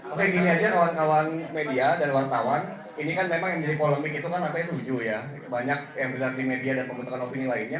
oke gini aja kawan kawan media dan wartawan ini kan memang yang menjadi polemik itu kan katanya tujuh ya banyak yang beredar di media dan pembentukan opini lainnya